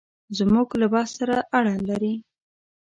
زموږ له بحث سره اړه لري.